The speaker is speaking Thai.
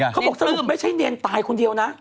เขาบอกสรุปไม่ใช่เนเน็นตายคนเดียวนะ